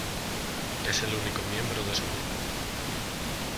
Es el único miembro de su grupo.